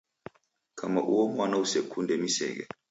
Kama uo mwana usekunde msighe